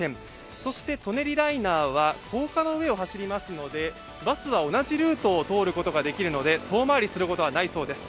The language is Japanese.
そして舎人ライナーは高架の上を走りますのでバスは同じルートを通ることができるので、遠回りすることはないそうです。